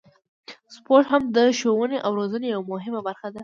سپورت هم د ښوونې او روزنې یوه مهمه برخه ده.